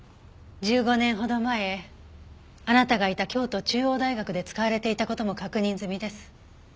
１５年ほど前あなたがいた京都中央大学で使われていた事も確認済みです。